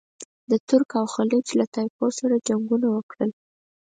د ترک او خلج له طایفو سره جنګونه وکړل.